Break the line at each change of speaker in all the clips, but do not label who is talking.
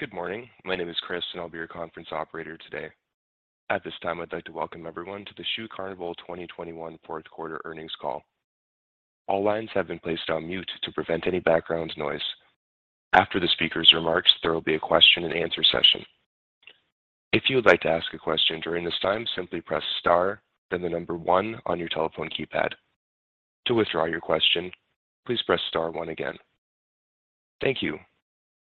Good morning. My name is Chris, and I'll be your conference operator today. At this time, I'd like to welcome everyone to the Shoe Carnival 2021 fourth quarter earnings call. All lines have been placed on mute to prevent any background noise. After the speaker's remarks, there will be a question-and-answer session. If you would like to ask a question during this time, simply press star, then the number one on your telephone keypad. To withdraw your question, please press star one again. Thank you.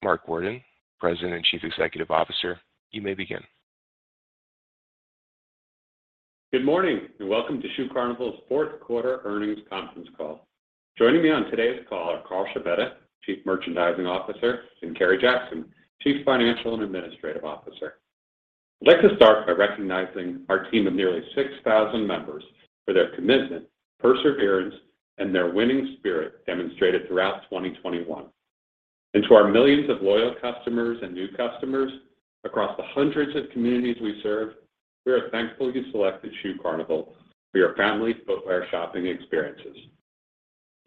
Mark Worden, President and Chief Executive Officer, you may begin.
Good morning, and welcome to Shoe Carnival's fourth quarter earnings conference call. Joining me on today's call are Carl Scibetta, Chief Merchandising Officer, and Kerry Jackson, Chief Financial and Administrative Officer. I'd like to start by recognizing our team of nearly 6,000 members for their commitment, perseverance, and their winning spirit demonstrated throughout 2021. To our millions of loyal customers and new customers across the hundreds of communities we serve, we are thankful you selected Shoe Carnival for your family footwear shopping experiences.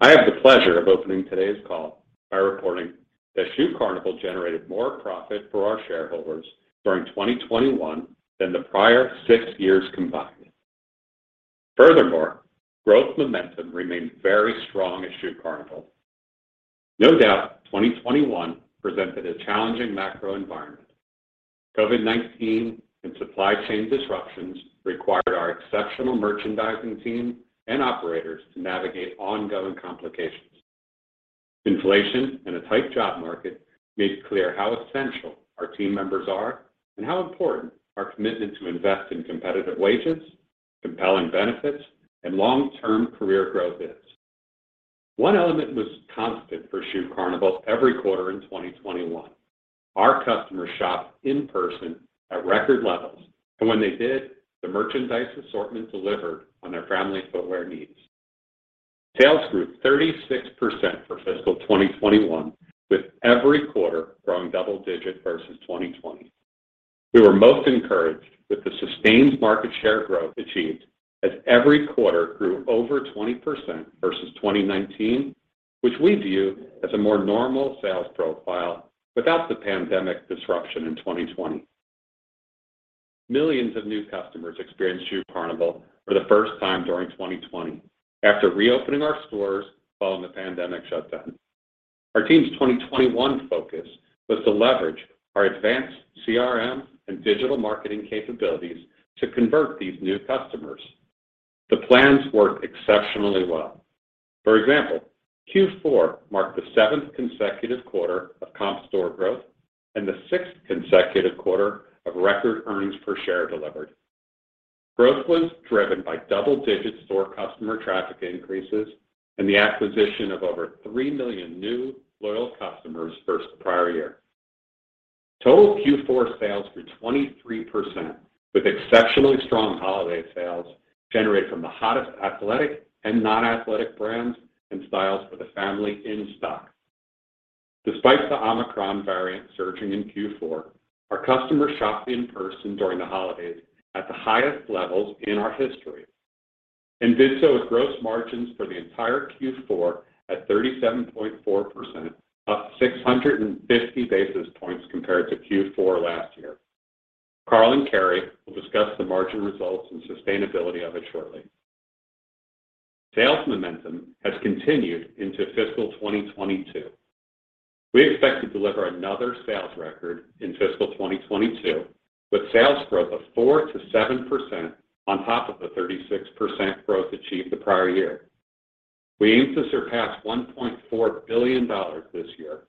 I have the pleasure of opening today's call by reporting that Shoe Carnival generated more profit for our shareholders during 2021 than the prior six years combined. Furthermore, growth momentum remained very strong at Shoe Carnival. No doubt, 2021 presented a challenging macro environment. COVID-19 and supply chain disruptions required our exceptional merchandising team and operators to navigate ongoing complications. Inflation and a tight job market made clear how essential our team members are and how important our commitment to invest in competitive wages, compelling benefits, and long-term career growth is. One element was constant for Shoe Carnival every quarter in 2021. Our customers shopped in person at record levels, and when they did, the merchandise assortment delivered on their family footwear needs. Sales grew 36% for fiscal 2021, with every quarter growing double-digit versus 2020. We were most encouraged with the sustained market share growth achieved as every quarter grew over 20% versus 2019, which we view as a more normal sales profile without the pandemic disruption in 2020. Millions of new customers experienced Shoe Carnival for the first time during 2020 after reopening our stores following the pandemic shutdown. Our team's 2021 focus was to leverage our advanced CRM and digital marketing capabilities to convert these new customers. The plans worked exceptionally well. For example, Q4 marked the seventh consecutive quarter of comp store growth and the sixth consecutive quarter of record earnings per share delivered. Growth was driven by double-digit store customer traffic increases and the acquisition of over 3 million new loyal customers versus the prior year. Total Q4 sales grew 23% with exceptionally strong holiday sales generated from the hottest athletic and non-athletic brands and styles for the family in stock. Despite the Omicron variant surging in Q4, our customers shopped in person during the holidays at the highest levels in our history, and did so with gross margins for the entire Q4 at 37.4%, up 650 basis points compared to Q4 last year. Carl and Kerry will discuss the margin results and sustainability of it shortly. Sales momentum has continued into fiscal 2022. We expect to deliver another sales record in fiscal 2022, with sales growth of 4%-7% on top of the 36% growth achieved the prior year. We aim to surpass $1.4 billion this year,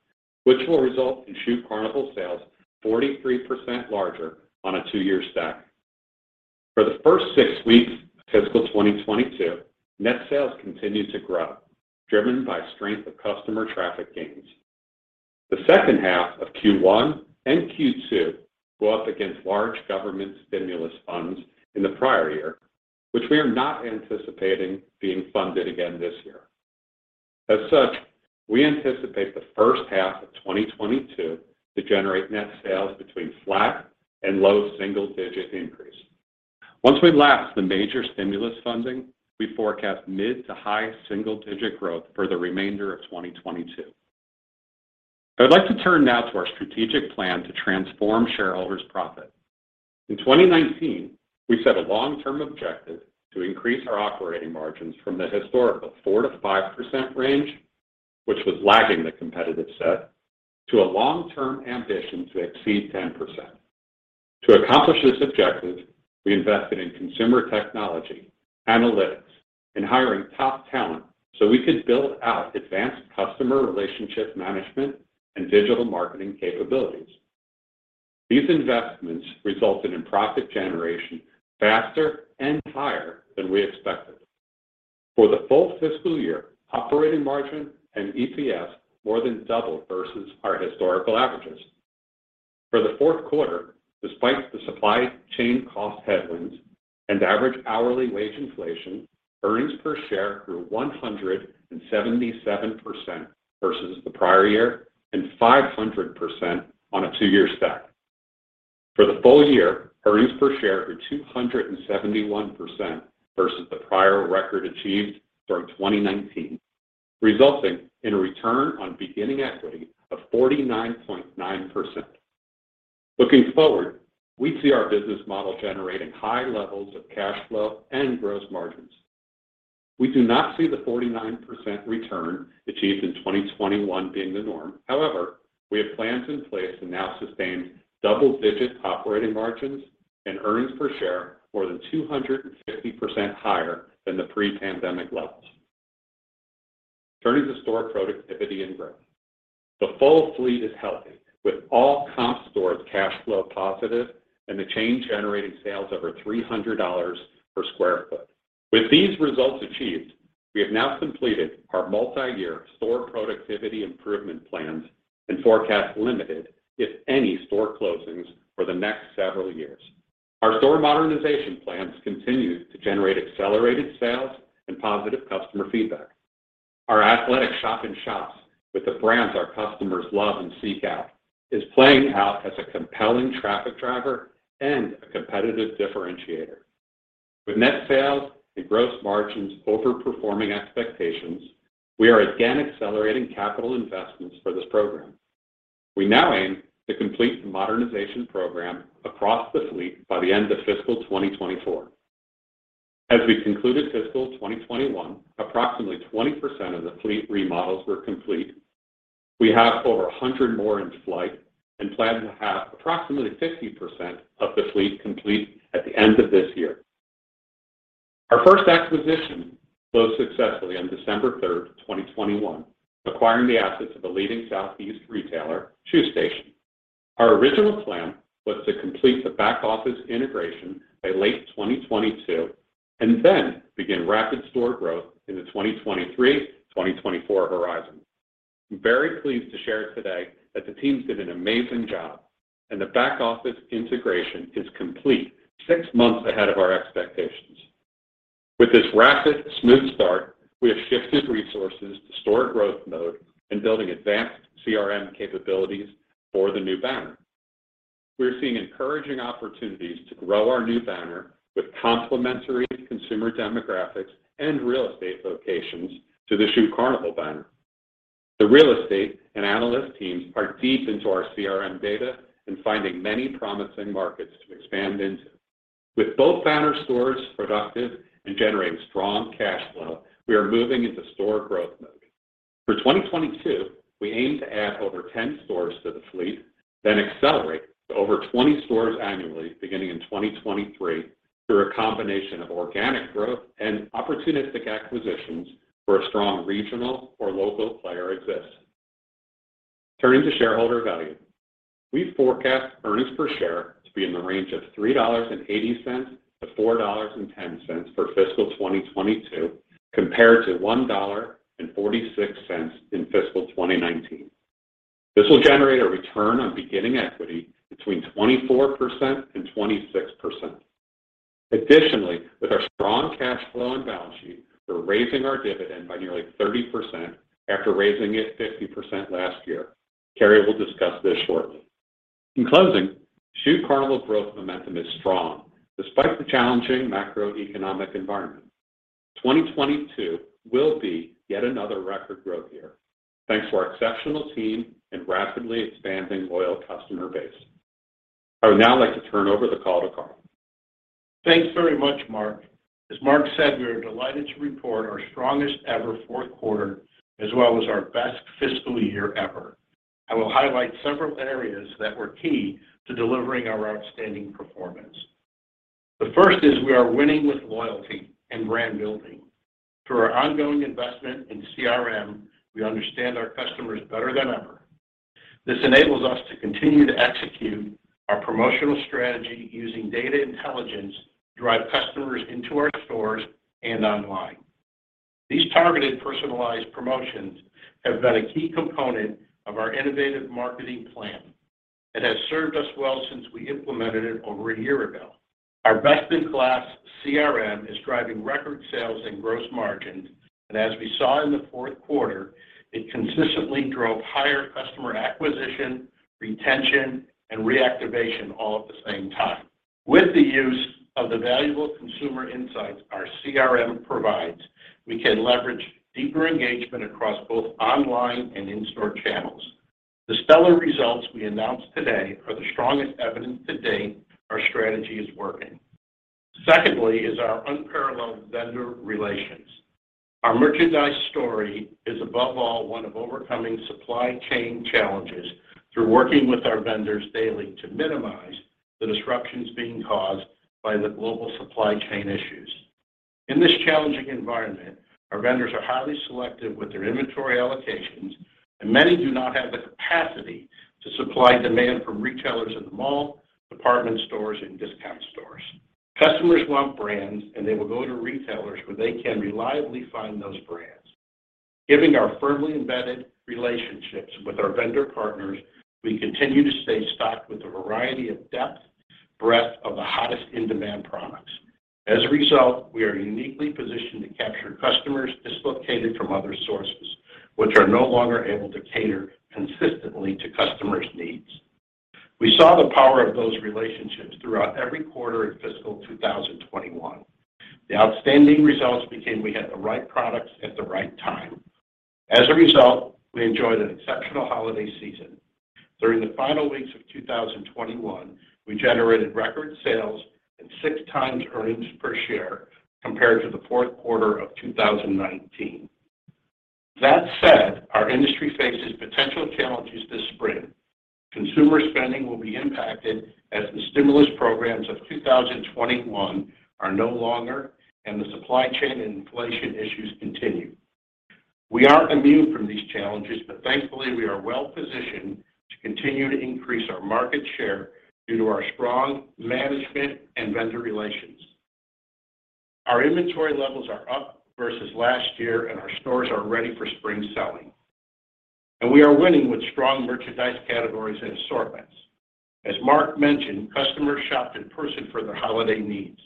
which will result in Shoe Carnival sales 43% larger on a two-year stack. For the first six weeks of fiscal 2022, net sales continued to grow, driven by strength of customer traffic gains. The second half of Q1 and Q2 go up against large government stimulus funds in the prior year, which we are not anticipating being funded again this year. We anticipate the first half of 2022 to generate net sales between flat and low single-digit increase. Once we lap the major stimulus funding, we forecast mid- to high single-digit growth for the remainder of 2022. I would like to turn now to our strategic plan to transform shareholders' profit. In 2019, we set a long-term objective to increase our operating margins from the historical 4%-5% range, which was lagging the competitive set, to a long-term ambition to exceed 10%. To accomplish this objective, we invested in consumer technology, analytics, and hiring top talent so we could build out advanced customer relationship management and digital marketing capabilities. These investments resulted in profit generation faster and higher than we expected. For the full fiscal year, operating margin and EPS more than doubled versus our historical averages. For the fourth quarter, despite the supply chain cost headwinds and average hourly wage inflation, earnings per share grew 177% versus the prior year and 500% on a two-year stack. For the full year, earnings per share were 271% versus the prior record achieved during 2019, resulting in a return on beginning equity of 49.9%. Looking forward, we see our business model generating high levels of cash flow and gross margins. We do not see the 49% return achieved in 2021 being the norm. However, we have plans in place to now sustain double-digit operating margins and earnings per share more than 250% higher than the pre-pandemic levels. Turning to store productivity and growth. The full fleet is healthy, with all comp stores cash flow positive and the chain generating sales over $300 per sq ft. With these results achieved, we have now completed our multi-year store productivity improvement plans and forecast limited, if any, store closings for the next several years. Our store modernization plans continue to generate accelerated sales and positive customer feedback. Our athletic shop in shops with the brands our customers love and seek out is playing out as a compelling traffic driver and a competitive differentiator. With net sales and gross margins overperforming expectations, we are again accelerating capital investments for this program. We now aim to complete the modernization program across the fleet by the end of fiscal 2024. As we concluded fiscal 2021, approximately 20% of the fleet remodels were complete. We have over 100 more in flight and plan to have approximately 50% of the fleet complete at the end of this year. Our first acquisition closed successfully on December 3rd, 2021, acquiring the assets of a leading Southeast retailer, Shoe Station. Our original plan was to complete the back-office integration by late 2022 and then begin rapid store growth in the 2023, 2024 horizon. I'm very pleased to share today that the team did an amazing job and the back office integration is complete six months ahead of our expectations. With this rapid, smooth start, we have shifted resources to store growth mode and building advanced CRM capabilities for the new banner. We're seeing encouraging opportunities to grow our new banner with complementary consumer demographics and real estate locations to the Shoe Carnival banner. The real estate and analyst teams are deep into our CRM data and finding many promising markets to expand into. With both banner stores productive and generating strong cash flow, we are moving into store growth mode. For 2022, we aim to add over 10 stores to the fleet, then accelerate to over 20 stores annually beginning in 2023, through a combination of organic growth and opportunistic acquisitions where a strong regional or local player exists. Turning to shareholder value. We forecast earnings per share to be in the range of $3.80-$4.10 for fiscal 2022, compared to $1.46 in fiscal 2019. This will generate a return on beginning equity between 24%-26%. Additionally, with our strong cash flow and balance sheet, we're raising our dividend by nearly 30% after raising it 50% last year. Kerry will discuss this shortly. In closing, Shoe Carnival growth momentum is strong despite the challenging macroeconomic environment. 2022 will be yet another record growth year thanks to our exceptional team and rapidly expanding loyal customer base. I would now like to turn over the call to Carl.
Thanks very much, Mark. As Mark said, we are delighted to report our strongest ever fourth quarter as well as our best fiscal year ever. I will highlight several areas that were key to delivering our outstanding performance. The first is we are winning with loyalty and brand building. Through our ongoing investment in CRM, we understand our customers better than ever. This enables us to continue to execute our promotional strategy using data intelligence to drive customers into our stores and online. These targeted personalized promotions have been a key component of our innovative marketing plan. It has served us well since we implemented it over a year ago. Our best-in-class CRM is driving record sales and gross margins, and as we saw in the fourth quarter, it consistently drove higher customer acquisition, retention, and reactivation all at the same time. With the use of the valuable consumer insights our CRM provides, we can leverage deeper engagement across both online and in-store channels. The stellar results we announced today are the strongest evidence to date that our strategy is working. Secondly is our unparalleled vendor relations. Our merchandise story is above all one of overcoming supply chain challenges through working with our vendors daily to minimize the disruptions being caused by the global supply chain issues. In this challenging environment, our vendors are highly selective with their inventory allocations, and many do not have the capacity to supply demand from retailers in the mall, department stores, and discount stores. Customers want brands, and they will go to retailers where they can reliably find those brands. Given our firmly embedded relationships with our vendor partners, we continue to stay stocked with a variety, depth, breadth of the hottest in-demand products. As a result, we are uniquely positioned to capture customers dislocated from other sources, which are no longer able to cater consistently to customers' needs. We saw the power of those relationships throughout every quarter in fiscal 2021. The outstanding results because we had the right products at the right time. As a result, we enjoyed an exceptional holiday season. During the final weeks of 2021, we generated record sales and 6x earnings per share compared to the fourth quarter of 2019. That said, our industry faces potential challenges this spring. Consumer spending will be impacted as the stimulus programs of 2021 are no longer, and the supply chain and inflation issues continue. We aren't immune from these challenges, but thankfully, we are well-positioned to continue to increase our market share due to our strong management and vendor relations. Our inventory levels are up versus last year, and our stores are ready for spring selling, and we are winning with strong merchandise categories and assortments. As Mark mentioned, customers shopped in person for their holiday needs.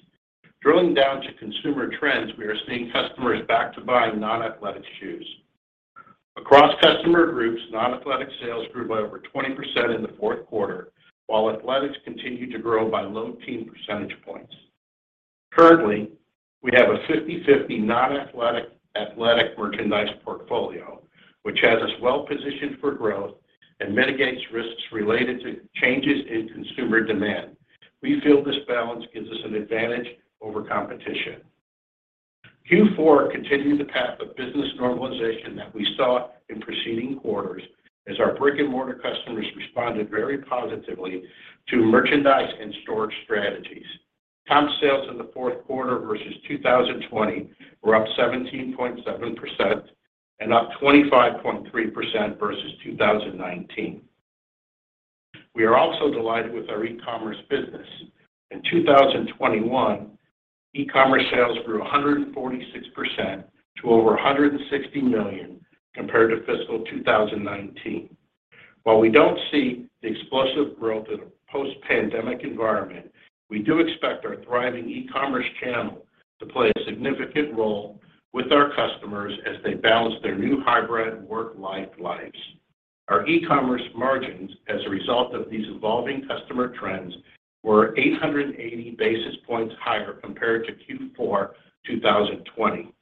Drilling down to consumer trends, we are seeing customers back to buying non-athletic shoes. Across customer groups, non-athletic sales grew by over 20% in the fourth quarter, while athletic continued to grow by low teens percentage points. Currently, we have a 50/50 non-athletic, athletic merchandise portfolio, which has us well-positioned for growth and mitigates risks related to changes in consumer demand. We feel this balance gives us an advantage over competition. Q4 continued the path of business normalization that we saw in preceding quarters as our brick-and-mortar customers responded very positively to merchandise and storage strategies. Comp sales in the fourth quarter versus 2020 were up 17.7% and up 25.3% versus 2019. We are also delighted with our e-commerce business. In 2021, e-commerce sales grew 146% to over $160 million compared to fiscal 2019. While we don't see the explosive growth in a post-pandemic environment, we do expect our thriving e-commerce channel to play a significant role with our customers as they balance their new hybrid work-life lives. Our e-commerce margins as a result of these evolving customer trends were 880 basis points higher compared to Q4 2020.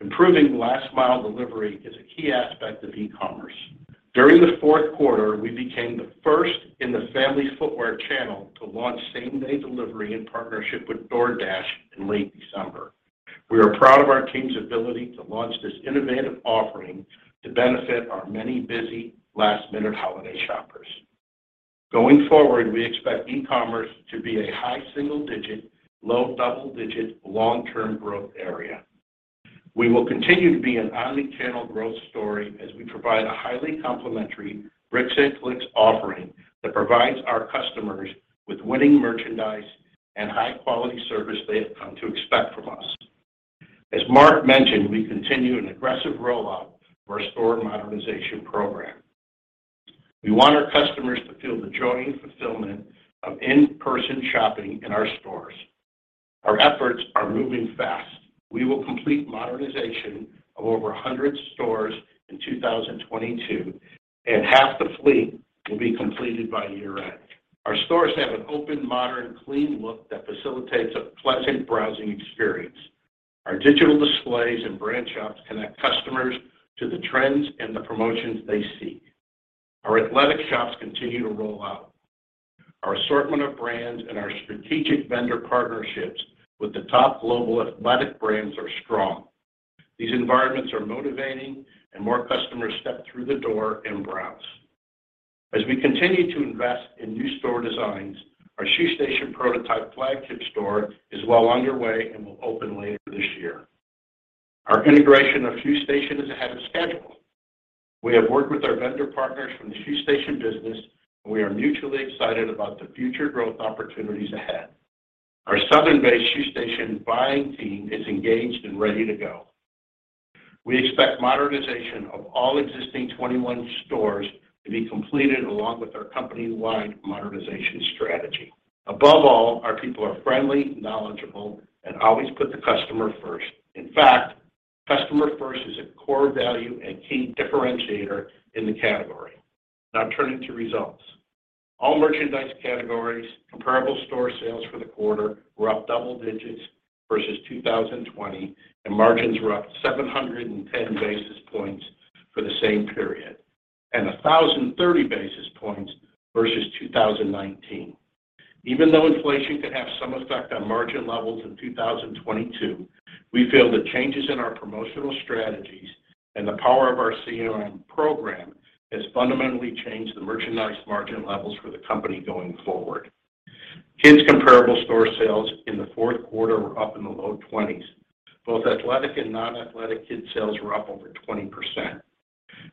Improving last mile delivery is a key aspect of e-commerce. During the fourth quarter, we became the first in the family footwear channel to launch same-day delivery in partnership with DoorDash in late December. We are proud of our team's ability to launch this innovative offering to benefit our many busy last-minute holiday shoppers. Going forward, we expect e-commerce to be a high single-digit, low double-digit long-term growth area. We will continue to be an omni-channel growth story as we provide a highly complementary bricks and clicks offering that provides our customers with winning merchandise and high-quality service they have come to expect from us. As Mark mentioned, we continue an aggressive rollout for our store modernization program. We want our customers to feel the joy and fulfillment of in-person shopping in our stores. Our efforts are moving fast. We will complete modernization of over 100 stores in 2022, and half the fleet will be completed by year-end. Our stores have an open, modern, clean look that facilitates a pleasant browsing experience. Our digital displays and brand shops connect customers to the trends and the promotions they seek. Our athletic shops continue to roll out. Our assortment of brands and our strategic vendor partnerships with the top global athletic brands are strong. These environments are motivating, and more customers step through the door and browse. As we continue to invest in new store designs, our Shoe Station prototype flagship store is well underway and will open later this year. Our integration of Shoe Station is ahead of schedule. We have worked with our vendor partners from the Shoe Station business, and we are mutually excited about the future growth opportunities ahead. Our Southern-based Shoe Station buying team is engaged and ready to go. We expect modernization of all existing 21 stores to be completed along with our company-wide modernization strategy. Above all, our people are friendly, knowledgeable, and always put the customer first. In fact, customer first is a core value and key differentiator in the category. Now turning to results. All merchandise categories, comparable store sales for the quarter were up double digits versus 2020, and margins were up 710 basis points for the same period, and 1,030 basis points versus 2019. Even though inflation could have some effect on margin levels in 2022, we feel the changes in our promotional strategies and the power of our CRM program has fundamentally changed the merchandise margin levels for the company going forward. Kids comparable store sales in the fourth quarter were up in the low-20s. Both athletic and non-athletic kids sales were up over 20%.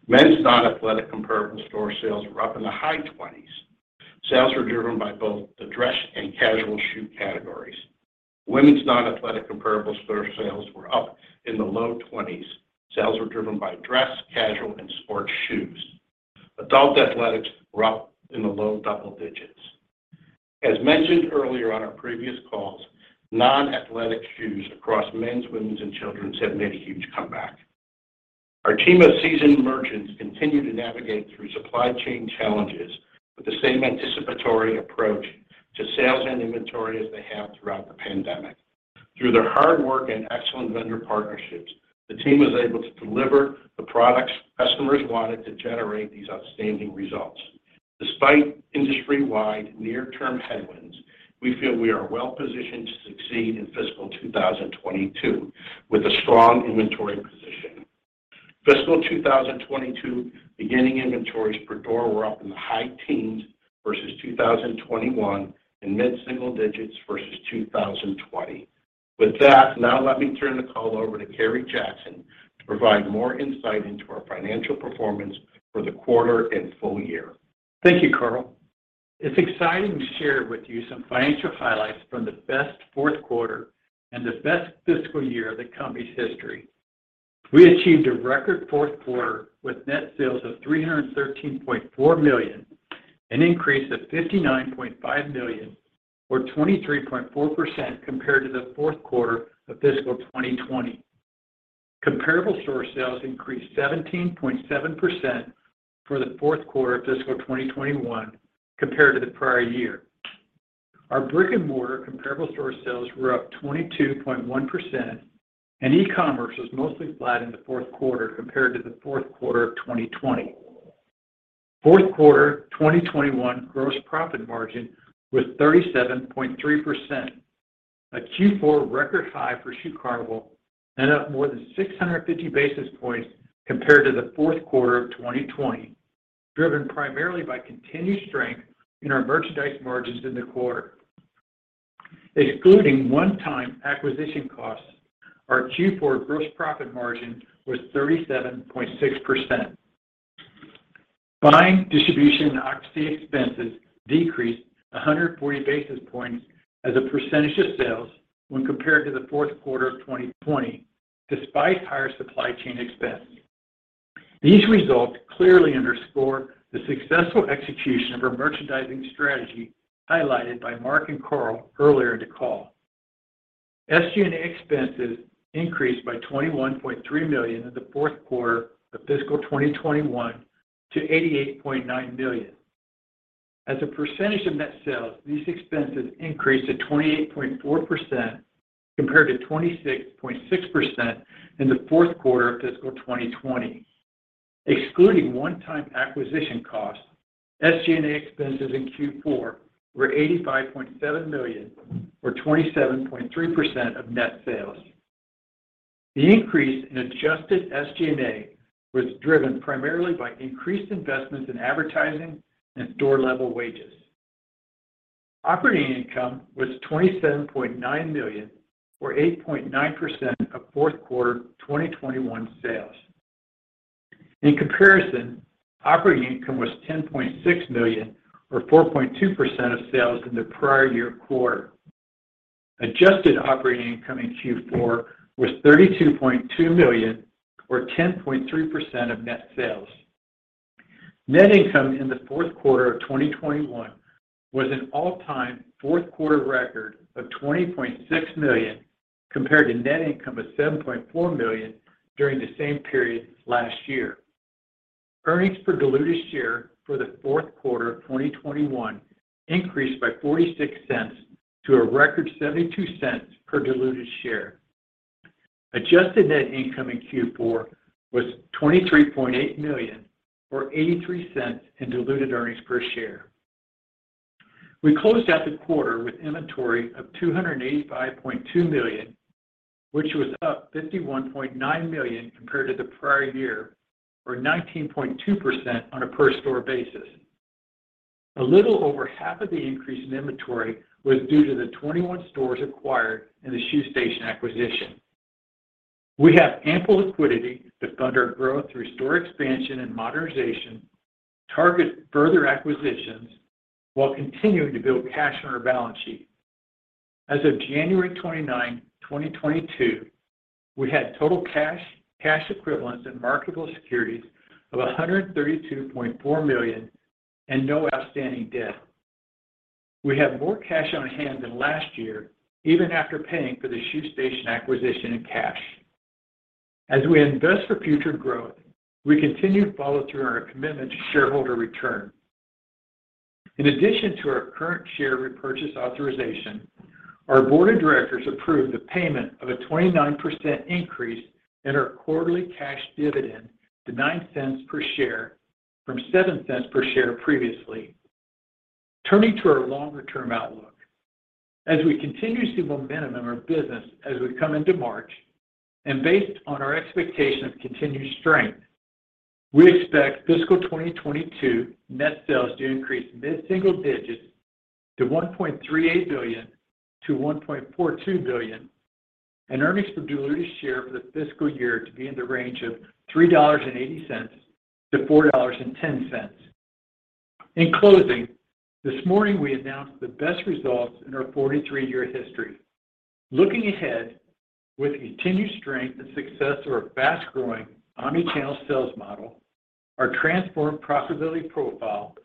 Men's non-athletic comparable store sales were up in the high-20s. Sales were driven by both the dress and casual shoe categories. Women's non-athletic comparable store sales were up in the low 20s. Sales were driven by dress, casual, and sports shoes. Adult athletics were up in the low double digits. As mentioned earlier on our previous calls, non-athletic shoes across men's, women's, and children's have made a huge comeback. Our team of seasoned merchants continue to navigate through supply chain challenges with the same anticipatory approach to sales and inventory as they have throughout the pandemic. Through their hard work and excellent vendor partnerships, the team was able to deliver the products customers wanted to generate these outstanding results. Despite industry-wide near-term headwinds, we feel we are well-positioned to succeed in fiscal 2022 with a strong inventory position. Fiscal 2022 beginning inventories per door were up in the high teens versus 2021 and mid-single digits versus 2020. With that, now let me turn the call over to Kerry Jackson to provide more insight into our financial performance for the quarter and full year.
Thank you, Carl. It's exciting to share with you some financial highlights from the best fourth quarter and the best fiscal year of the company's history. We achieved a record fourth quarter with net sales of $313.4 million, an increase of $59.5 million, or 23.4% compared to the fourth quarter of fiscal 2020. Comparable store sales increased 17.7% for the fourth quarter of fiscal 2021 compared to the prior year. Our brick-and-mortar comparable store sales were up 22.1%, and e-commerce was mostly flat in the fourth quarter compared to the fourth quarter of 2020. Fourth quarter 2021 gross profit margin was 37.3%, a Q4 record high for Shoe Carnival and up more than 650 basis points compared to the fourth quarter of 2020, driven primarily by continued strength in our merchandise margins in the quarter. Excluding one-time acquisition costs, our Q4 gross profit margin was 37.6%. Buying, distribution, and occupancy expenses decreased 140 basis points as a percentage of sales when compared to the fourth quarter of 2020, despite higher supply chain expenses. These results clearly underscore the successful execution of our merchandising strategy highlighted by Mark and Carl earlier in the call. SG&A expenses increased by $21.3 million in the fourth quarter of fiscal 2021 to $88.9 million. As a percentage of net sales, these expenses increased to 28.4% compared to 26.6% in the fourth quarter of fiscal 2020. Excluding one-time acquisition costs, SG&A expenses in Q4 were $85.7 million or 27.3% of net sales. The increase in adjusted SG&A was driven primarily by increased investments in advertising and store-level wages. Operating income was $27.9 million or 8.9% of fourth quarter 2021 sales. In comparison, operating income was $10.6 million or 4.2% of sales in the prior year quarter. Adjusted operating income in Q4 was $32.2 million or 10.3% of net sales. Net income in the fourth quarter of 2021 was an all-time fourth quarter record of $20.6 million compared to net income of $7.4 million during the same period last year. Earnings per diluted share for the fourth quarter of 2021 increased by $0.46 to a record $0.72 per diluted share. Adjusted net income in Q4 was $23.8 million or $0.83 in diluted earnings per share. We closed out the quarter with inventory of $285.2 million, which was up $51.9 million compared to the prior year, or 19.2% on a per store basis. A little over half of the increase in inventory was due to the 21 stores acquired in the Shoe Station acquisition. We have ample liquidity to fund our growth through store expansion and modernization, target further acquisitions while continuing to build cash on our balance sheet. As of January 29th, 2022, we had total cash equivalents, and marketable securities of $132.4 million and no outstanding debt. We have more cash on hand than last year, even after paying for the Shoe Station acquisition in cash. As we invest for future growth, we continue to follow through on our commitment to shareholder return. In addition to our current share repurchase authorization, our board of Directors approved the payment of a 29% increase in our quarterly cash dividend to $0.09 per share from $0.07 per share previously. Turning to our longer-term outlook. As we continue to see momentum in our business as we come into March, and based on our expectation of continued strength, we expect fiscal 2022 net sales to increase mid-single digits to $1.38 billion-$1.42 billion, and earnings per diluted share for the fiscal year to be in the range of $3.80-$4.10. In closing, this morning we announced the best results in our 43-year history. Looking ahead, with the continued strength and success of our fast-growing omnichannel sales model, our transformed profitability profile,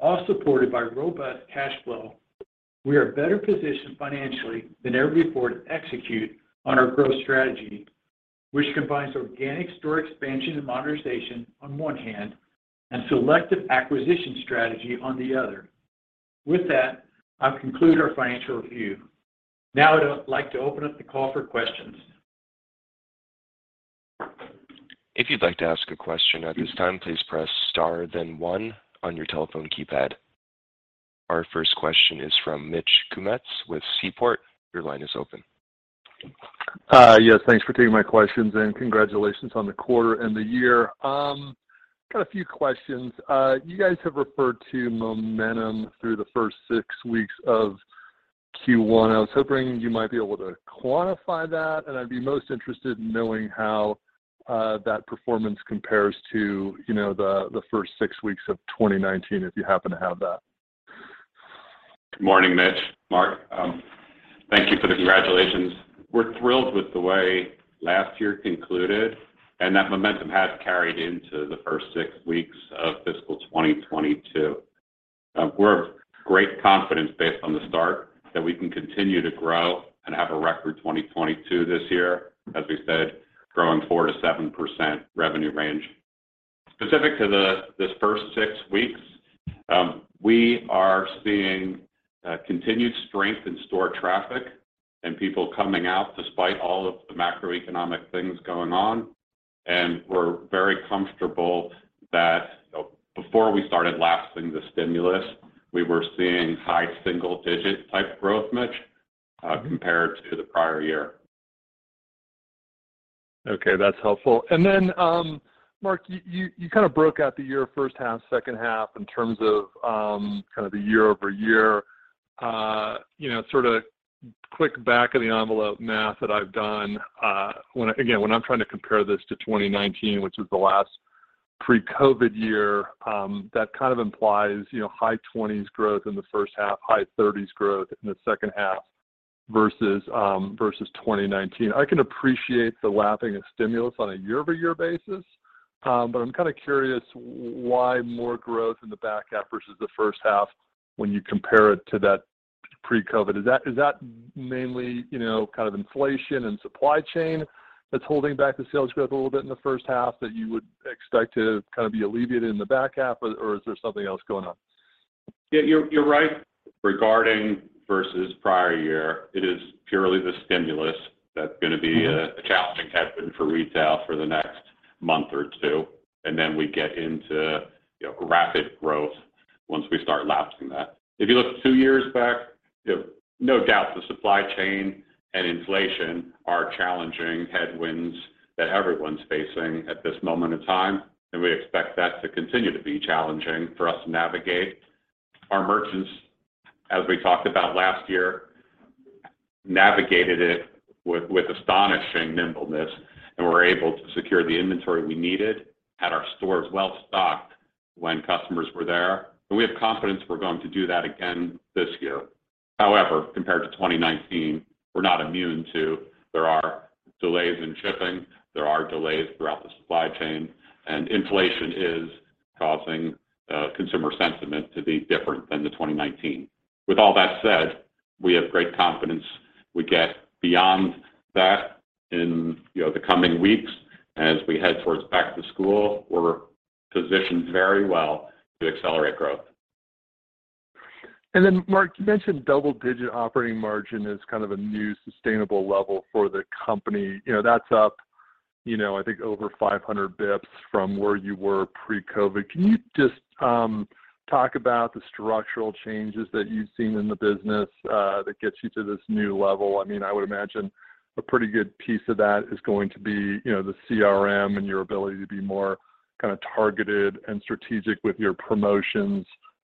all supported by robust cash flow, we are better positioned financially than ever before to execute on our growth strategy, which combines organic store expansion and modernization on one hand, and selective acquisition strategy on the other. With that, I've concluded our financial review. Now I'd like to open up the call for questions.
If you'd like to ask a question at this time please press star then one on your telephone keypad. Our first question is from Mitch Kummetz with Seaport. Your line is open.
Yes, thanks for taking my questions, and congratulations on the quarter and the year. Got a few questions. You guys have referred to momentum through the first six weeks of Q1. I was hoping you might be able to quantify that, and I'd be most interested in knowing how that performance compares to, you know, the first six weeks of 2019, if you happen to have that.
Good morning, Mitch. Mark. Thank you for the congratulations. We're thrilled with the way last year concluded, and that momentum has carried into the first six weeks of fiscal 2022. We're of great confidence based on the start that we can continue to grow and have a record 2022 this year, as we said, growing 4%-7% revenue range. Specific to this first six weeks, we are seeing continued strength in store traffic and people coming out despite all of the macroeconomic things going on. We're very comfortable that, you know, before we started lapsing the stimulus, we were seeing high single-digit type growth, Mitch, compared to the prior year.
Okay, that's helpful. Mark, you kind of broke out the year first half, second half in terms of kind of the year-over-year. You know, sort of quick back-of-the-envelope math that I've done, again, when I'm trying to compare this to 2019, which was the last pre-COVID year, that kind of implies, you know, high-20s growth in the first half, high-30s growth in the second half versus 2019. I can appreciate the lapping of stimulus on a year-over-year basis, but I'm kinda curious why more growth in the back half versus the first half when you compare it to that pre-COVID. Is that mainly, you know, kind of inflation and supply chain that's holding back the sales growth a little bit in the first half that you would expect to kind of be alleviated in the back half? Or is there something else going on?
Yeah, you're right regarding versus prior year. It is purely the stimulus that's gonna be a challenging headwind for retail for the next month or two, and then we get into you know, rapid growth once we start lapsing that. If you look two years back, you know, no doubt the supply chain and inflation are challenging headwinds that everyone's facing at this moment in time, and we expect that to continue to be challenging for us to navigate. Our merchants, as we talked about last year, navigated it with astonishing nimbleness and were able to secure the inventory we needed and had our stores well-stocked when customers were there. We have confidence we're going to do that again this year. However, compared to 2019, we're not immune to. There are delays in shipping, there are delays throughout the supply chain, and inflation is causing consumer sentiment to be different than the 2019. With all that said, we have great confidence we get beyond that in, you know, the coming weeks. As we head towards back-to-school, we're positioned very well to accelerate growth.
Then Mark, you mentioned double-digit operating margin as kind of a new sustainable level for the company. You know, that's up, you know, I think over 500 basis points from where you were pre-COVID. Can you just talk about the structural changes that you've seen in the business that gets you to this new level? I mean, I would imagine a pretty good piece of that is going to be, you know, the CRM and your ability to be more kinda targeted and strategic with your promotions.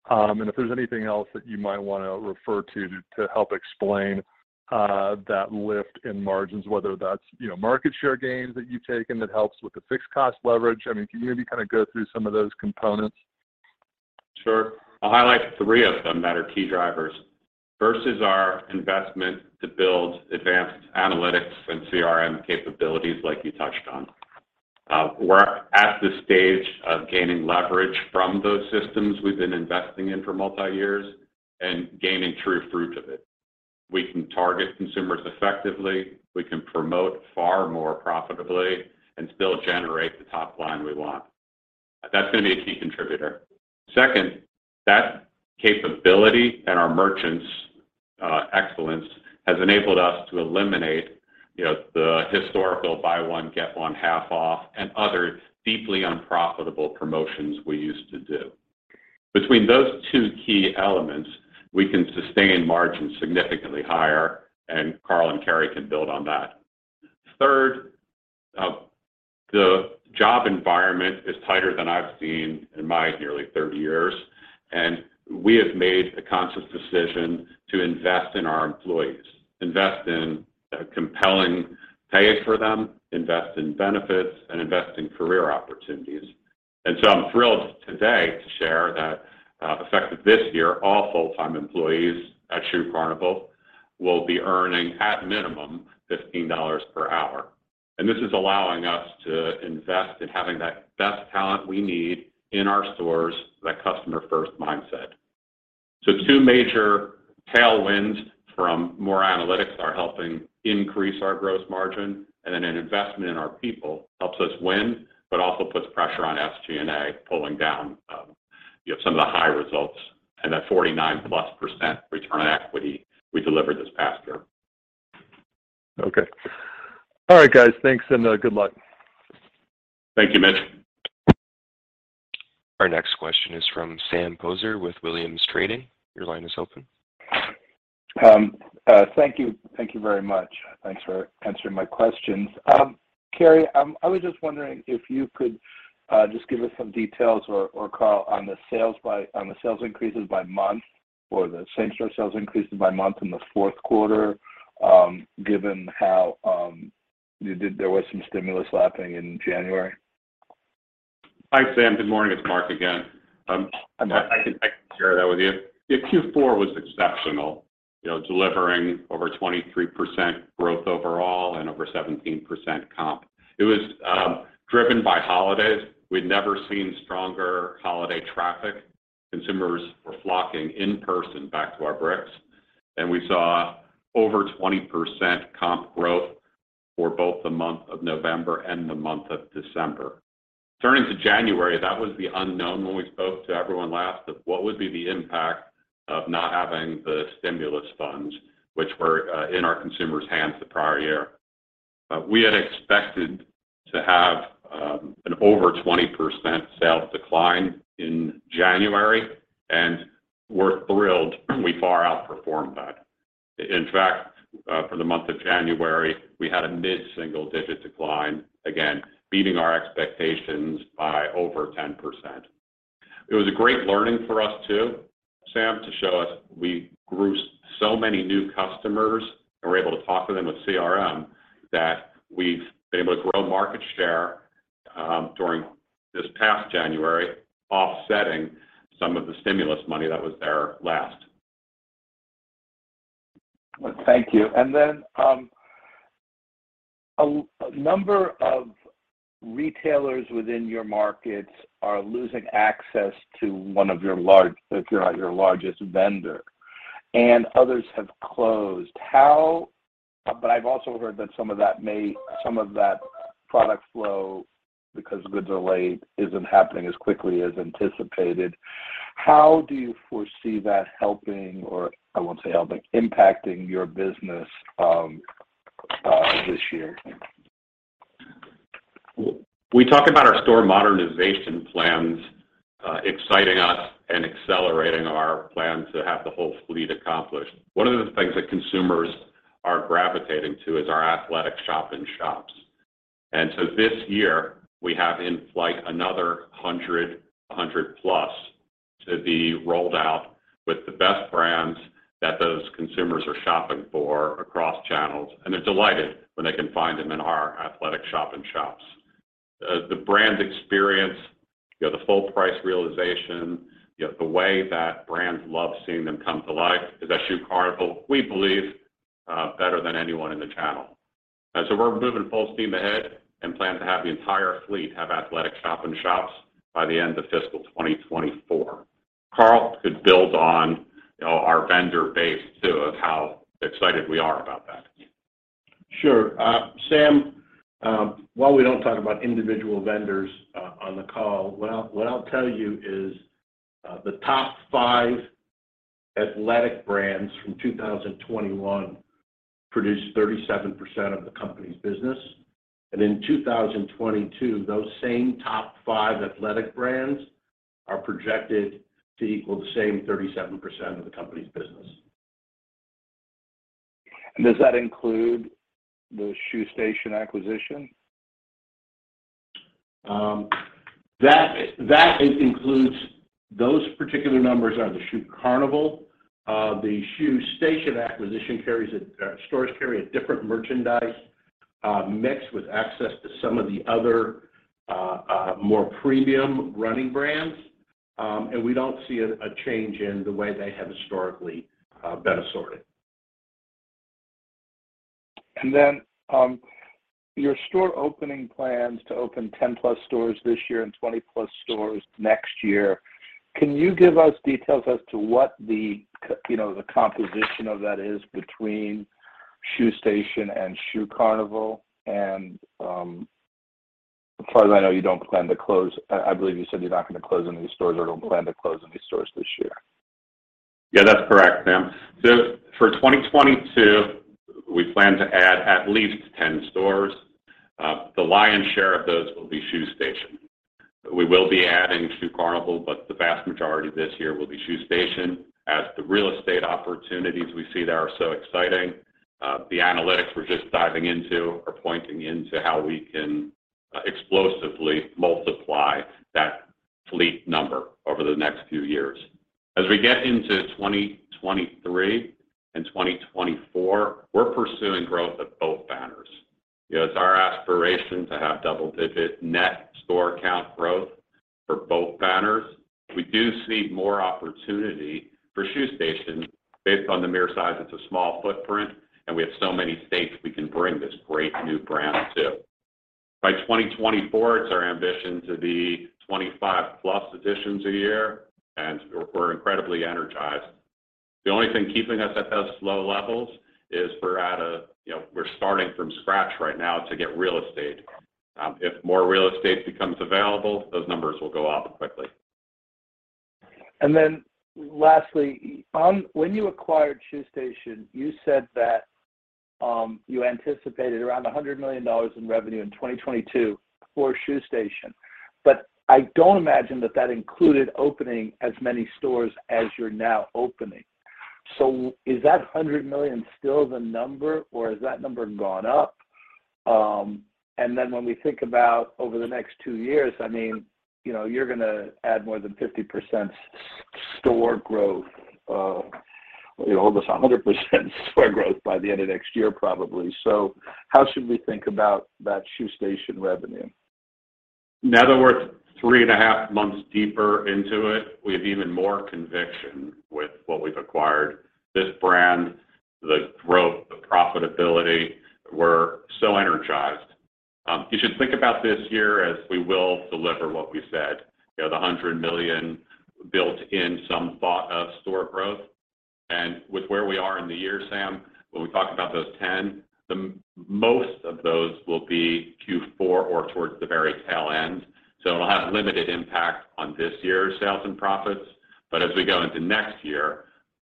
And if there's anything else that you might wanna refer to to help explain that lift in margins, whether that's, you know, market share gains that you've taken that helps with the fixed cost leverage. I mean, can you maybe kind of go through some of those components?
Sure. I'll highlight three of them that are key drivers. First is our investment to build advanced analytics and CRM capabilities like you touched on. We're at the stage of gaining leverage from those systems we've been investing in for multi years and gaining true fruit of it. We can target consumers effectively, we can promote far more profitably and still generate the top line we want. That's gonna be a key contributor. Second, that capability and our merchants' excellence has enabled us to eliminate, you know, the historical buy one, get one half off and other deeply unprofitable promotions we used to do. Between those two key elements, we can sustain margins significantly higher, and Carl and Kerry can build on that. Third, the job environment is tighter than I've seen in my nearly 30 years, and we have made a conscious decision to invest in our employees, invest in a compelling pay for them, invest in benefits, and invest in career opportunities. I'm thrilled today to share that, effective this year, all full-time employees at Shoe Carnival will be earning at minimum $15 per hour. This is allowing us to invest in having that best talent we need in our stores, that customer-first mindset. Two major tailwinds from more analytics are helping increase our gross margin, and then an investment in our people helps us win, but also puts pressure on SG&A, pulling down, you know, some of the high results and that 49%+ return on equity we delivered this past year.
Okay. All right, guys. Thanks and good luck.
Thank you, Mitch.
Our next question is from Sam Poser with Williams Trading. Your line is open.
Thank you. Thank you very much. Thanks for answering my questions. Kerry, I was just wondering if you could just give us some details or on the sales increases by month or the same-store sales increases by month in the fourth quarter, given how there was some stimulus lapping in January.
Hi, Sam. Good morning. It's Mark again.
I'm sorry.
I can share that with you. Yeah, Q4 was exceptional, you know, delivering over 23% growth overall and over 17% comp. It was driven by holidays. We'd never seen stronger holiday traffic. Consumers were flocking in person back to our bricks, and we saw over 20% comp growth for both the month of November and the month of December. Turning to January, that was the unknown when we spoke to everyone last of what would be the impact of not having the stimulus funds which were in our consumers' hands the prior year. We had expected to have an over 20% sales decline in January, and we're thrilled we far outperformed that. In fact, for the month of January, we had a mid-single digit decline, again, beating our expectations by over 10%. It was a great learning for us too, Sam, to show us we grew so many new customers, and we're able to talk to them with CRM, that we've been able to grow market share, during this past January, offsetting some of the stimulus money that was there last.
Thank you. Then, a number of retailers within your markets are losing access to one of your large, if you're not their largest vendor, and others have closed. I've also heard that some of that product flow, because goods are late, isn't happening as quickly as anticipated. How do you foresee that helping or, I won't say helping, impacting your business this year?
We talk about our store modernization plans, exciting us and accelerating our plan to have the whole fleet accomplished. One of the things that consumers are gravitating to is our athletic shop-in-shops. This year, we have in flight another 100+ to be rolled out with the best brands that those consumers are shopping for across channels. They're delighted when they can find them in our athletic shop in shops. The brand experience, you know, the full price realization, you know, the way that brands love seeing them come to life is at Shoe Carnival, we believe, better than anyone in the channel. We're moving full steam ahead and plan to have the entire fleet have athletic shop in shops by the end of fiscal 2024. Carl could build on, you know, our vendor base too, of how excited we are about that.
Sure. Sam, while we don't talk about individual vendors on the call, what I'll tell you is, the top five athletic brands from 2021 produced 37% of the company's business. In 2022, those same top five athletic brands are projected to equal the same 37% of the company's business.
Does that include the Shoe Station acquisition?
Those particular numbers are the Shoe Carnival. The Shoe Station acquisition carries stores carry a different merchandise mix with access to some of the other more premium running brands. We don't see a change in the way they have historically been assorted.
Your store opening plans to open 10+ stores this year and 20+ stores next year, can you give us details as to what the, you know, the composition of that is between Shoe Station and Shoe Carnival? As far as I know, you don't plan to close. I believe you said you're not gonna close any stores or don't plan to close any stores this year.
Yeah, that's correct, Sam. For 2022, we plan to add at least 10 stores. The lion's share of those will be Shoe Station. We will be adding Shoe Carnival, but the vast majority of this year will be Shoe Station. The real estate opportunities we see there are so exciting. The analytics we're just diving into are pointing to how we can explosively multiply that fleet number over the next few years. As we get into 2023 and 2024, we're pursuing growth of both banners. You know, it's our aspiration to have double-digit net store count growth for both banners. We do see more opportunity for Shoe Station based on the sheer size. It's a small footprint, and we have so many states we can bring this great new brand to. By 2024, it's our ambition to be 25+ additions a year, and we're incredibly energized. The only thing keeping us at those low levels is we're at a. You know, we're starting from scratch right now to get real estate. If more real estate becomes available, those numbers will go up quickly.
Lastly, when you acquired Shoe Station, you said that you anticipated around $100 million in revenue in 2022 for Shoe Station. I don't imagine that that included opening as many stores as you're now opening. Is that $100 million still the number, or has that number gone up? When we think about over the next two years, I mean, you know, you're gonna add more than 50% store growth, you know, almost 100% store growth by the end of next year, probably. How should we think about that Shoe Station revenue?
Now that we're three and a half months deeper into it, we have even more conviction with what we've acquired. This brand, the growth, the profitability, we're so energized. You should think about this year as we will deliver what we said. You know, the $100 million built in some thought of store growth. With where we are in the year, Sam, when we talk about those 10, the most of those will be Q4 or towards the very tail end, so it'll have limited impact on this year's sales and profits. As we go into next year,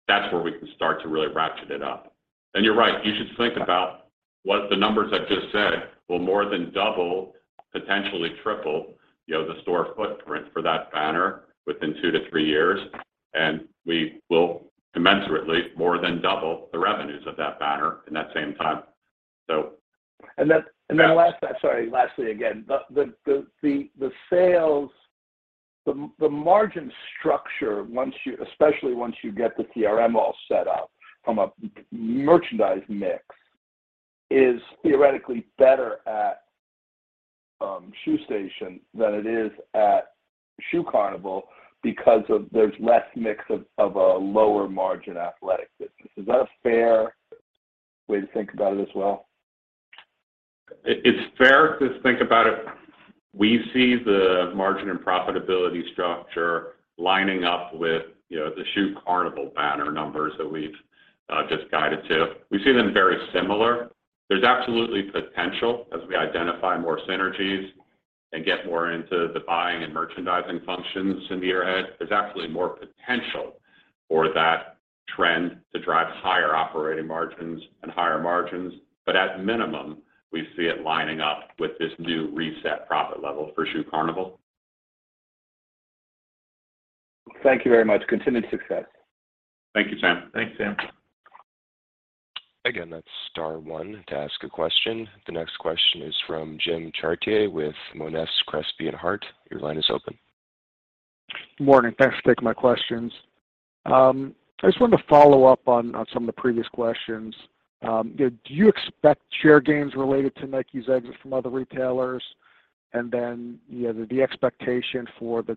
that's where we can start to really ratchet it up. You're right. You should think about what the numbers I just said will more than double, potentially triple, you know, the store footprint for that banner within two to three years, and we will commensurately more than double the revenues of that banner in that same time.
Lastly again. The margin structure, once you especially once you get the CRM all set up from a merchandise mix, is theoretically better at Shoe Station than it is at Shoe Carnival because of there's less mix of a lower margin athletic business. Is that a fair way to think about it as well?
It's fair to think about it. We see the margin and profitability structure lining up with, you know, the Shoe Carnival banner numbers that we've just guided to. We see them very similar. There's absolutely potential as we identify more synergies and get more into the buying and merchandising functions in the year ahead. There's absolutely more potential for that trend to drive higher operating margins and higher margins. At minimum, we see it lining up with this new reset profit level for Shoe Carnival.
Thank you very much. Continued success.
Thank you, Sam.
Thanks, Sam.
Again, that's star one to ask a question. The next question is from Jim Chartier with Monness, Crespi, Hardt. Your line is open.
Good morning. Thanks for taking my questions. I just wanted to follow up on some of the previous questions. You know, do you expect share gains related to Nike's exit from other retailers? Then, you know, the expectation for the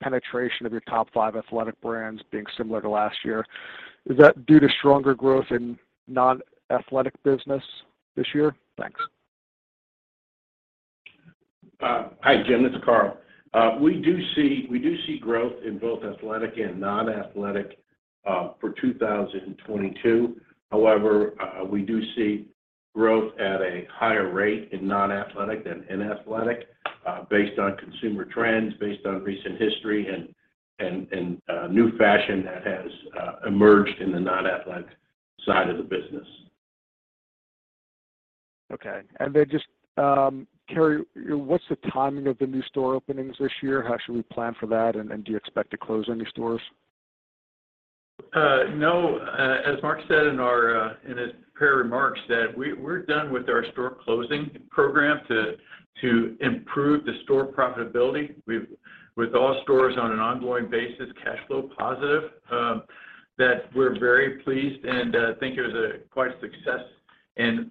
penetration of your top five athletic brands being similar to last year, is that due to stronger growth in non-athletic business this year? Thanks.
Hi, Jim. This is Carl. We do see growth in both athletic and non-athletic for 2022. However, we do see growth at a higher rate in non-athletic than in athletic, based on consumer trends, based on recent history and new fashion that has emerged in the non-athletic side of the business.
Okay. Just, Kerry, what's the timing of the new store openings this year? How should we plan for that, and do you expect to close any stores?
No. As Mark said in his prepared remarks, we're done with our store closing program to improve the store profitability. With all stores on an ongoing basis cash flow positive, we're very pleased and think it was quite a success.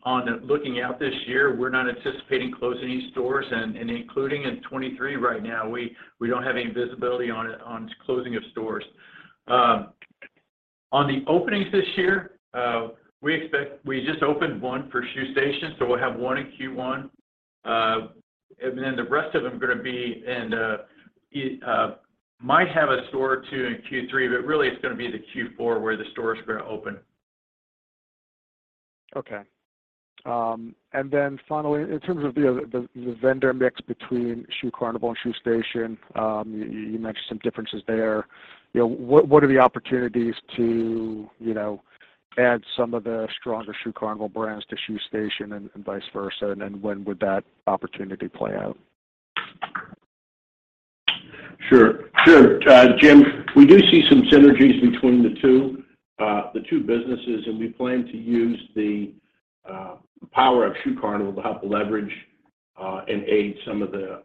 On looking out this year, we're not anticipating closing any stores, including in 2023 right now. We don't have any visibility on closing of stores. On the openings this year, we just opened one for Shoe Station, so we'll have one in Q1. Then the rest of them are gonna be in, we might have a store or two in Q3, but really it's gonna be the Q4 where the stores are gonna open.
Okay. Finally, in terms of the vendor mix between Shoe Carnival and Shoe Station, you mentioned some differences there. You know, what are the opportunities to, you know, add some of the stronger Shoe Carnival brands to Shoe Station and vice versa, and then when would that opportunity play out?
Sure. Jim, we do see some synergies between the two businesses, and we plan to use the power of Shoe Carnival to help leverage and aid some of the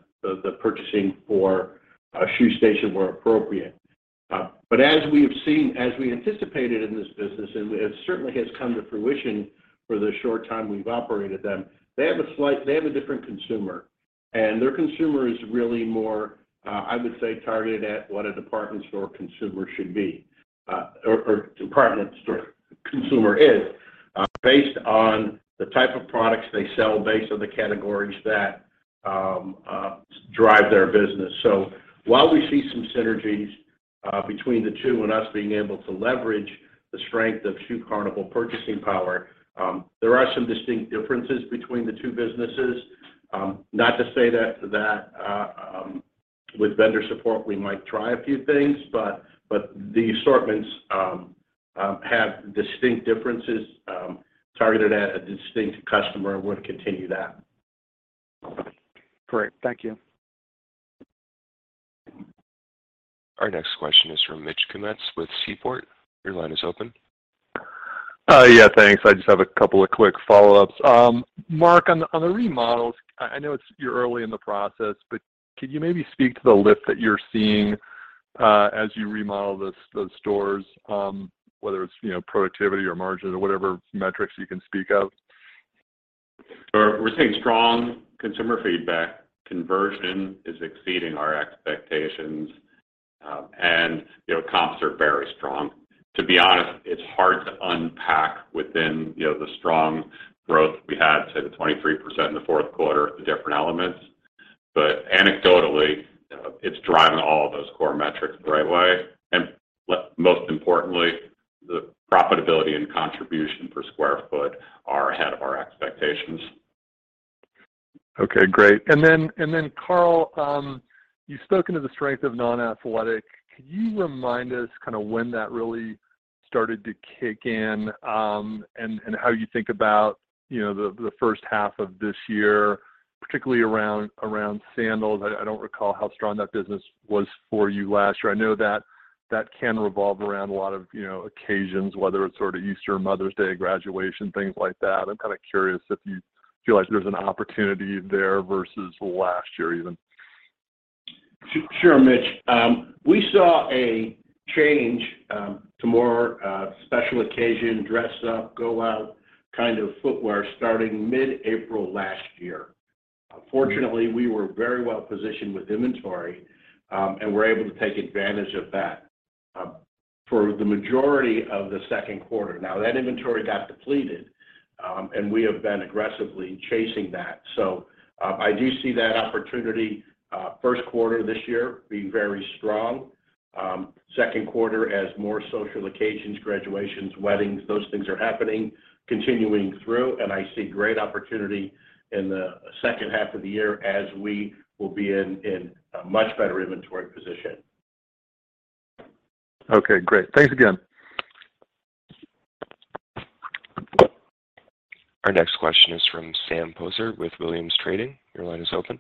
purchasing for Shoe Station where appropriate. As we have seen, as we anticipated in this business, and it certainly has come to fruition for the short time we've operated them, they have a different consumer. Their consumer is really more, I would say targeted at what a department store consumer should be, or department store consumer is, based on the type of products they sell, based on the categories that drive their business. While we see some synergies between the two and us being able to leverage the strength of Shoe Carnival purchasing power, there are some distinct differences between the two businesses. Not to say that with vendor support, we might try a few things, but the assortments have distinct differences targeted at a distinct customer and would continue that.
Great. Thank you.
Our next question is from Mitch Kummetz with Seaport. Your line is open.
Yeah, thanks. I just have a couple of quick follow-ups. Mark, on the remodels, I know you're early in the process, but could you maybe speak to the lift that you're seeing as you remodel the stores, whether it's, you know, productivity or margin or whatever metrics you can speak of?
Sure. We're seeing strong consumer feedback. Conversion is exceeding our expectations. You know, comps are very strong. To be honest, it's hard to unpack within, you know, the strong growth we had, say the 23% in the fourth quarter, the different elements. Anecdotally, you know, it's driving all of those core metrics the right way. Most importantly, the profitability and contribution per square foot are ahead of our expectations.
Okay. Great. Carl, you've spoken to the strength of non-athletic. Can you remind us kinda when that really started to kick in, and how you think about, you know, the first half of this year, particularly around sandals? I don't recall how strong that business was for you last year. I know that can revolve around a lot of, you know, occasions, whether it's sort of Easter, Mother's Day, graduation, things like that. I'm kinda curious if you feel like there's an opportunity there versus last year even.
Sure, Mitch. We saw a change to more special occasion, dress up, go out kind of footwear starting mid-April last year. Fortunately, we were very well positioned with inventory and were able to take advantage of that for the majority of the second quarter. Now, that inventory got depleted and we have been aggressively chasing that. I do see that opportunity first quarter this year being very strong. Second quarter, as more social occasions, graduations, weddings, those things are happening, continuing through, and I see great opportunity in the second half of the year as we will be in a much better inventory position.
Okay. Great. Thanks again.
Our next question is from Sam Poser with Williams Trading. Your line is open.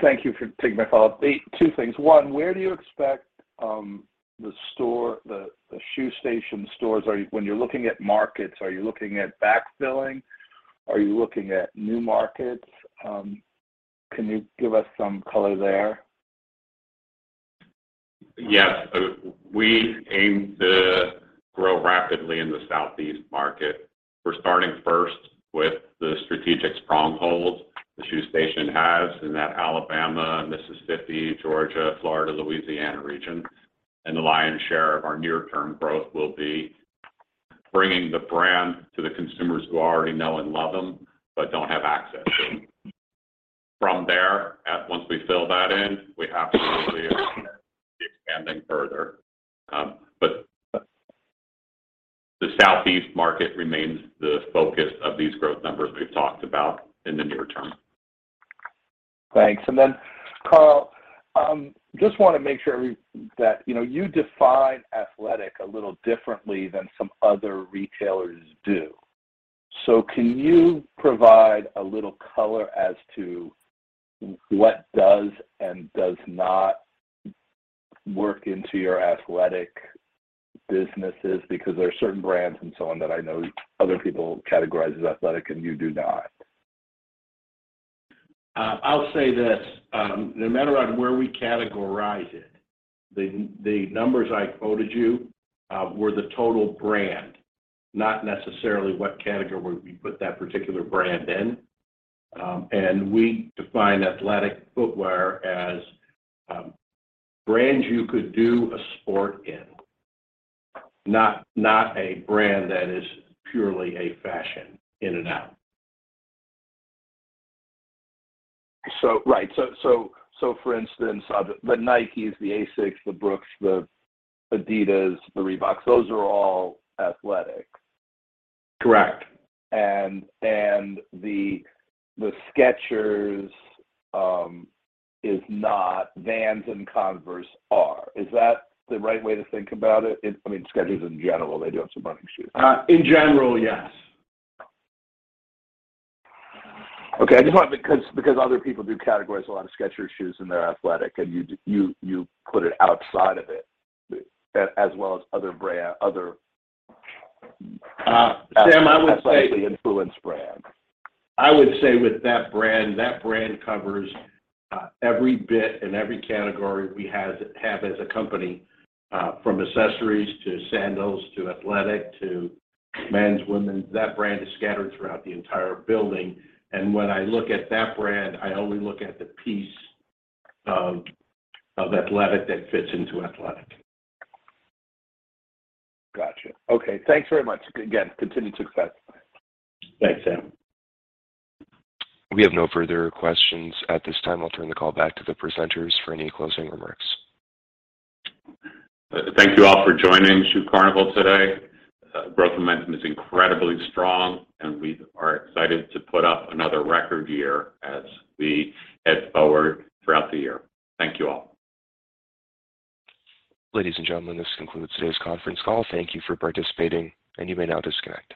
Thank you for taking my call. The two things. One, where do you expect the Shoe Station stores when you're looking at markets, are you looking at backfilling? Are you looking at new markets? Can you give us some color there?
Yes. We aim to grow rapidly in the Southeast market. We're starting first with the strategic strongholds that Shoe Station has in that Alabama, Mississippi, Georgia, Florida, Louisiana region. The lion's share of our near-term growth will be bringing the brand to the consumers who already know and love them, but don't have access to them. From there, once we fill that in, we have the ability to be expanding further. But the Southeast market remains the focus of these growth numbers we've talked about in the near term.
Thanks. Carl, just wanna make sure that, you know, you define athletic a little differently than some other retailers do. Can you provide a little color as to what does and does not work into your athletic businesses? Because there are certain brands and so on that I know other people categorize as athletic, and you do not.
I'll say this. No matter where we categorize it, the numbers I quoted you were the total brand, not necessarily what category we put that particular brand in. We define athletic footwear as brands you could do a sport in, not a brand that is purely a fashion in and out.
For instance, the Nikes, the ASICS, the Brooks, the adidas, the Reebok, those are all athletic.
Correct.
The Skechers is not. Vans and Converse are. Is that the right way to think about it? I mean, Skechers in general, they do have some running shoes.
In general, yes.
Okay. I just want because other people do categorize a lot of Skechers shoes in their athletic, and you put it outside of it as well as other
Sam, I would say.
athletically influenced brands.
I would say with that brand, that brand covers every bit and every category we have as a company, from accessories to sandals to athletic to men's, women's. That brand is scattered throughout the entire building. When I look at that brand, I only look at the piece of athletic that fits into athletic.
Gotcha. Okay. Thanks very much. Again, continued success.
Thanks, Sam.
We have no further questions at this time. I'll turn the call back to the presenters for any closing remarks.
Thank you all for joining Shoe Carnival today. Growth momentum is incredibly strong, and we are excited to put up another record year as we head forward throughout the year. Thank you all.
Ladies and gentlemen, this concludes today's conference call. Thank you for participating, and you may now disconnect.